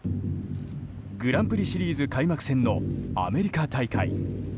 グランプリシリーズ開幕戦のアメリカ大会。